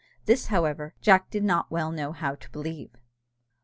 This, however, Jack did not well know how to believe.